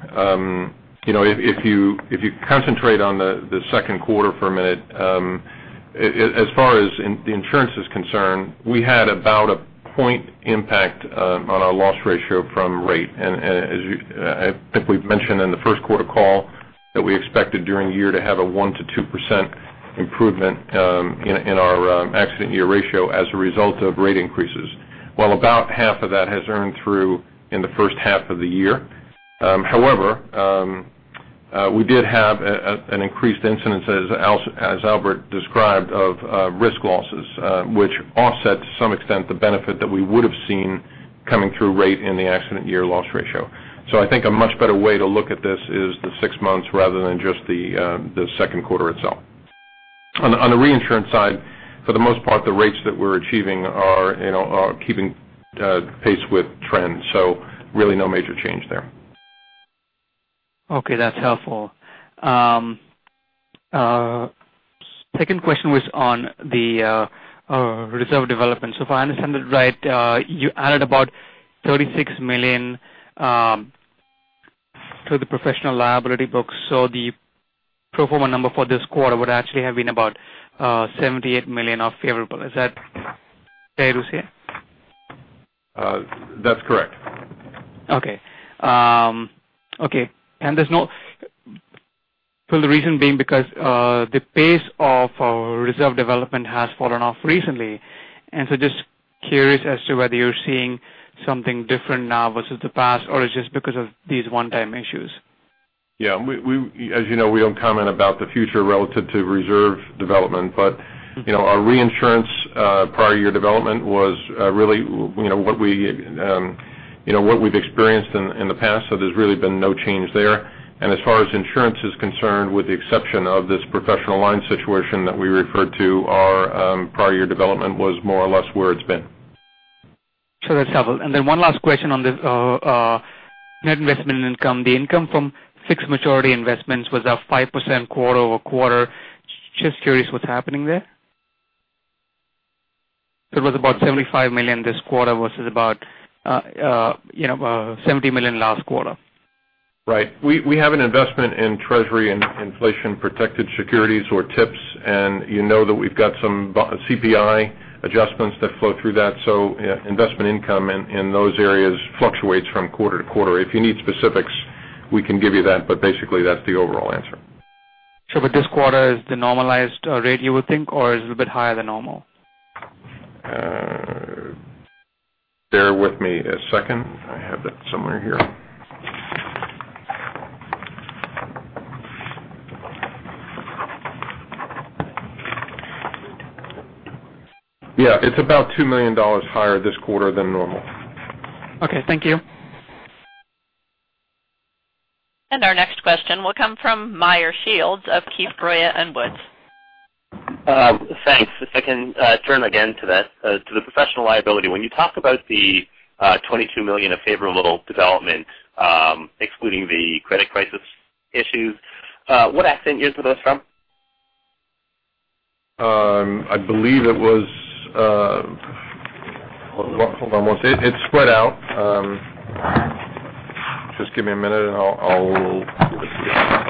If you concentrate on the second quarter for a minute, as far as the insurance is concerned, we had about a point impact on our loss ratio from rate. I think we've mentioned in the first quarter call that we expected during the year to have a 1%-2% improvement in our accident year ratio as a result of rate increases. Well, about half of that has earned through in the first half of the year. However, we did have an increased incidence, as Albert described, of risk losses, which offset to some extent the benefit that we would have seen coming through rate in the accident year loss ratio. I think a much better way to look at this is the six months rather than just the second quarter itself. On the reinsurance side, for the most part, the rates that we're achieving are keeping pace with trends. Really no major change there. Okay, that's helpful. Second question was on the reserve development. If I understand it right, you added about $36 million to the professional liability book, the pro forma number for this quarter would actually have been about $78 million of favorable. Is that fair to say? That's correct. Okay. The reason being because the pace of reserve development has fallen off recently, just curious as to whether you're seeing something different now versus the past, or it's just because of these one-time issues? Yeah. As you know, we don't comment about the future relative to reserve development. Our reinsurance prior year development was really what we've experienced in the past. There's really been no change there. As far as insurance is concerned, with the exception of this professional line situation that we referred to, our prior year development was more or less where it's been. Sure. That's helpful. One last question on this net investment income. The income from fixed maturity investments was up 5% quarter-over-quarter. Just curious what's happening there? It was about $75 million this quarter versus about $70 million last quarter. Right. We have an investment in Treasury and inflation-protected securities or TIPS, and you know that we've got some CPI adjustments that flow through that. Investment income in those areas fluctuates from quarter to quarter. If you need specifics, we can give you that, but basically, that's the overall answer. Sure. This quarter is the normalized rate you would think, or is it a bit higher than normal? Bear with me a second. I have that somewhere here. Yeah, it's about $2 million higher this quarter than normal. Okay. Thank you. Our next question will come from Meyer Shields of Keefe, Bruyette & Woods. Thanks. If I can turn again to the professional liability. When you talk about the $22 million of favorable development, excluding the credit crisis issues, what accident years were those from? I believe. Hold on one second. It's spread out. Just give me a minute and I'll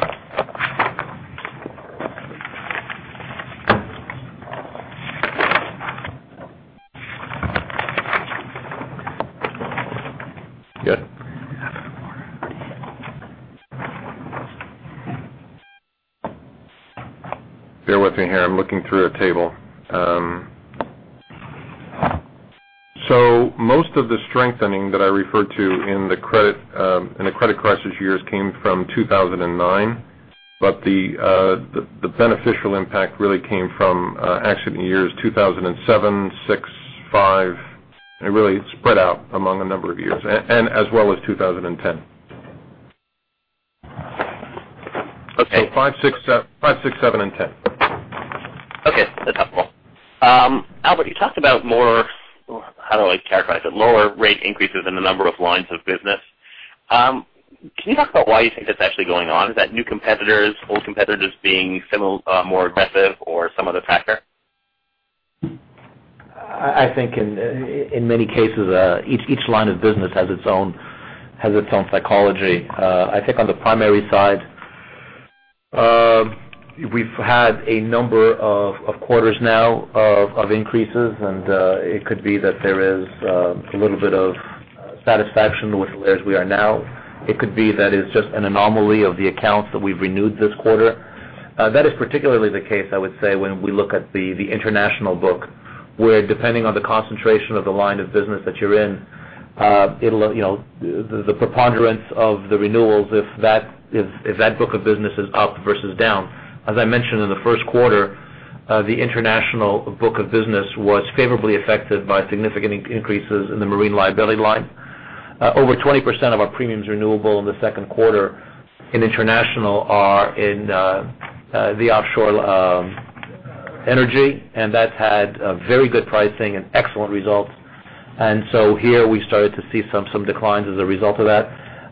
look at it. Good. Bear with me here. I'm looking through a table. Most of the strengthening that I referred to in the credit crisis years came from 2009, but the beneficial impact really came from accident years 2007, 2006, 2005. It really spread out among a number of years, and as well as 2010. Okay. '05, '06, '07, and '10. Okay. That's helpful. Albert, you talked about more, how do I characterize it, lower rate increases in the number of lines of business. Can you talk about why you think that's actually going on? Is that new competitors, old competitors being more aggressive or some other factor? I think in many cases, each line of business has its own psychology. I think on the primary side, we've had a number of quarters now of increases, and it could be that there is a little bit of satisfaction with where we are now. It could be that it's just an anomaly of the accounts that we've renewed this quarter. That is particularly the case, I would say, when we look at the international book, where depending on the concentration of the line of business that you're in, the preponderance of the renewals if that book of business is up versus down. As I mentioned in the first quarter, the international book of business was favorably affected by significant increases in the marine liability line. Over 20% of our premiums renewable in the second quarter in international are in the offshore energy, and that had a very good pricing and excellent results. Here we started to see some declines as a result of that.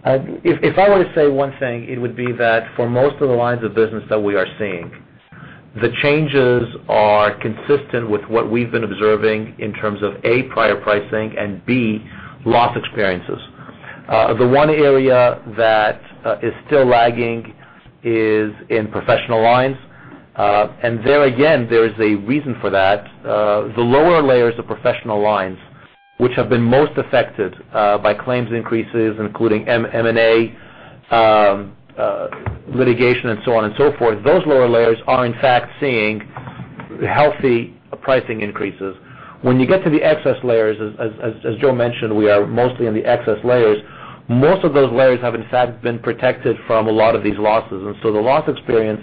If I were to say one thing, it would be that for most of the lines of business that we are seeing, the changes are consistent with what we've been observing in terms of, A, prior pricing and, B, loss experiences. The one area that is still lagging is in professional lines. There again, there is a reason for that. The lower layers of professional lines, which have been most affected by claims increases, including M&A, litigation, and so on and so forth, those lower layers are in fact seeing healthy pricing increases. When you get to the excess layers, as Joe mentioned, we are mostly in the excess layers. Most of those layers have in fact been protected from a lot of these losses. The loss experience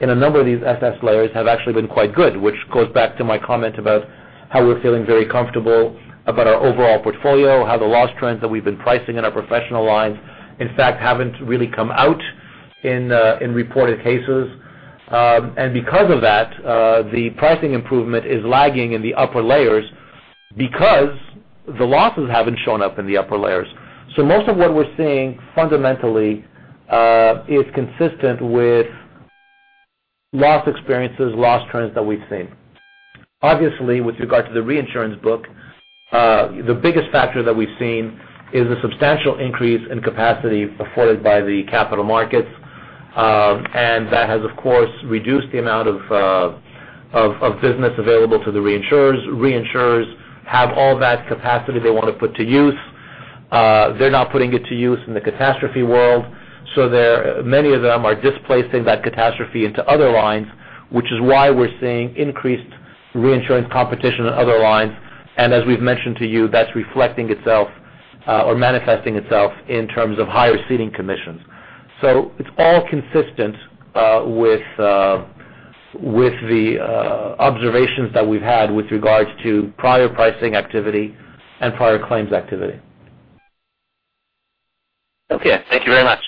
in a number of these excess layers have actually been quite good, which goes back to my comment about how we're feeling very comfortable about our overall portfolio, how the loss trends that we've been pricing in our professional lines, in fact, haven't really come out in reported cases. Because of that, the pricing improvement is lagging in the upper layers because the losses haven't shown up in the upper layers. Most of what we're seeing fundamentally is consistent with loss experiences, loss trends that we've seen. Obviously, with regard to the reinsurance book, the biggest factor that we've seen is the substantial increase in capacity afforded by the capital markets. That has, of course, reduced the amount of business available to the reinsurers. Reinsurers have all that capacity they want to put to use. They're not putting it to use in the catastrophe world. Many of them are displacing that catastrophe into other lines, which is why we're seeing increased reinsurance competition in other lines. As we've mentioned to you, that's reflecting itself or manifesting itself in terms of higher ceding commissions. It's all consistent with the observations that we've had with regards to prior pricing activity and prior claims activity. Okay. Thank you very much.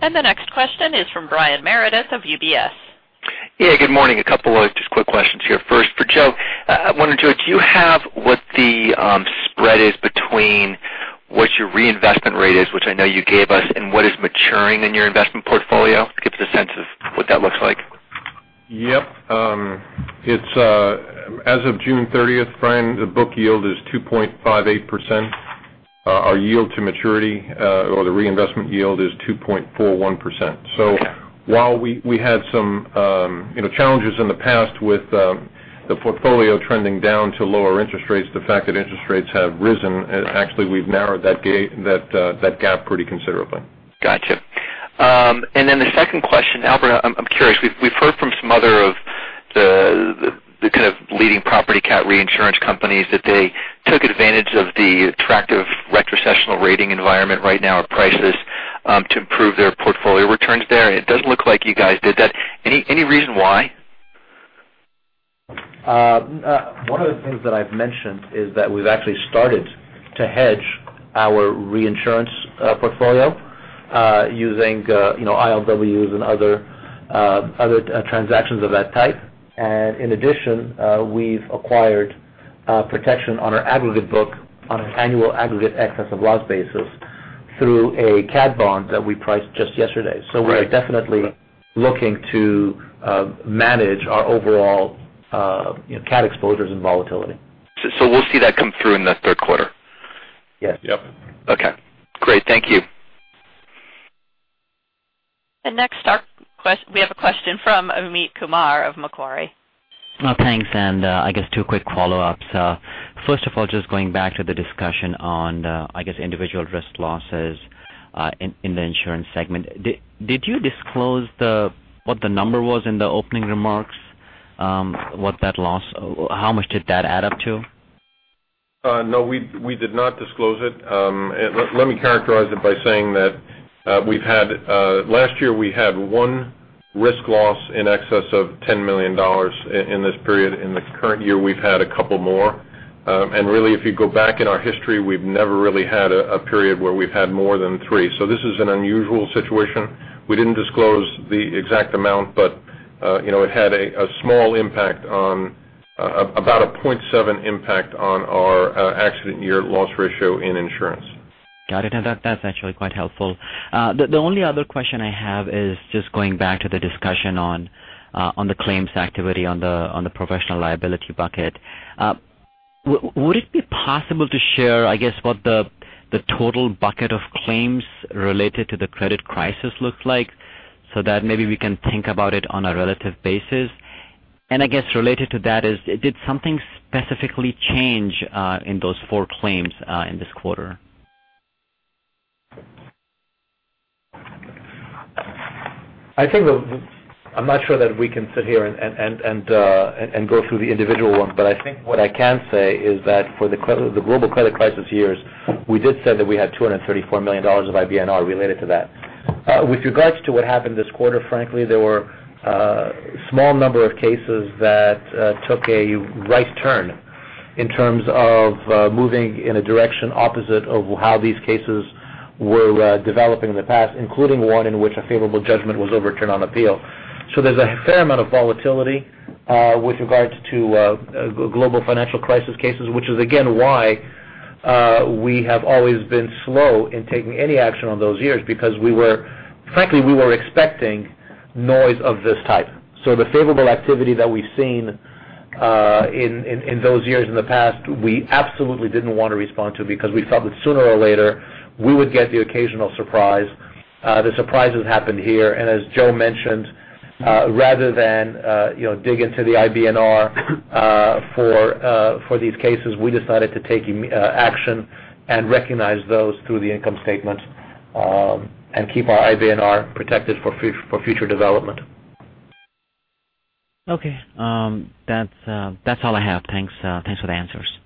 The next question is from Brian Meredith of UBS. Yeah, good morning. A couple of just quick questions here. First, for Joe, I wonder, Joe, do you have what the spread is between what your reinvestment rate is, which I know you gave us, and what is maturing in your investment portfolio? Gives us a sense of what that looks like. Yep. As of June 30th, Brian, the book yield is 2.58%. Our yield to maturity or the reinvestment yield is 2.41%. While we had some challenges in the past with the portfolio trending down to lower interest rates, the fact that interest rates have risen, actually we've narrowed that gap pretty considerably. Got you. The second question, Albert, I'm curious. We've heard from some other of the kind of leading property cat reinsurance companies that they took advantage of the attractive retrocessional rating environment right now at prices to improve their portfolio returns there. It doesn't look like you guys did that. Any reason why? One of the things that I've mentioned is that we've actually started to hedge our reinsurance portfolio using ILWs and other transactions of that type. In addition, we've acquired protection on our aggregate book on an annual aggregate excess of loss basis through a cat bond that we priced just yesterday. Right. We're definitely looking to manage our overall cat exposures and volatility. We'll see that come through in the third quarter? Yes. Okay, great. Thank you. Next, we have a question from Amit Kumar of Macquarie. Thanks, I guess two quick follow-ups. First of all, just going back to the discussion on, I guess, individual risk losses in the insurance segment. Did you disclose what the number was in the opening remarks? What that loss, how much did that add up to? No, we did not disclose it. Let me characterize it by saying that last year we had one risk loss in excess of $10 million in this period. In the current year, we've had a couple more. Really if you go back in our history, we've never really had a period where we've had more than three. This is an unusual situation. We didn't disclose the exact amount, but it had a small impact on, about a 0.7 impact on our accident year loss ratio in insurance. Got it. That's actually quite helpful. The only other question I have is just going back to the discussion on the claims activity on the professional liability bucket. Would it be possible to share, I guess, what the total bucket of claims related to the credit crisis looks like so that maybe we can think about it on a relative basis? I guess related to that is, did something specifically change in those four claims in this quarter? I'm not sure that we can sit here and go through the individual ones, but I think what I can say is that for the global credit crisis years, we did say that we had $234 million of IBNR related to that. With regards to what happened this quarter, frankly, there were a small number of cases that took a right turn in terms of moving in a direction opposite of how these cases were developing in the past, including one in which a favorable judgment was overturned on appeal. There's a fair amount of volatility with regards to global financial crisis cases, which is again, why we have always been slow in taking any action on those years, because frankly, we were expecting noise of this type. The favorable activity that we've seen in those years in the past, we absolutely didn't want to respond to because we felt that sooner or later we would get the occasional surprise. The surprises happened here, and as Joe mentioned, rather than dig into the IBNR for these cases, we decided to take action and recognize those through the income statements and keep our IBNR protected for future development. Okay. That's all I have. Thanks for the answers.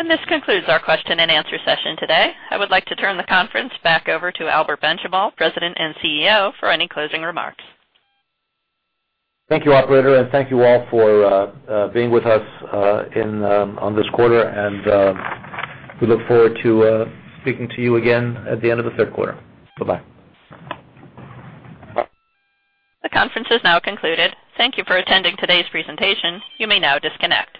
Yep. This concludes our question and answer session today. I would like to turn the conference back over to Albert Benchimol, President and CEO, for any closing remarks. Thank you, operator, and thank you all for being with us on this quarter, and we look forward to speaking to you again at the end of the third quarter. Bye-bye. The conference is now concluded. Thank you for attending today's presentation. You may now disconnect.